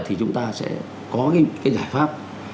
thì chúng ta sẽ có cái giải pháp